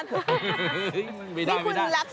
เออเออ